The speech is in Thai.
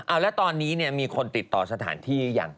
เอาแล้วตอนนี้เนี่ยมีคนติดต่อสถานที่ยัง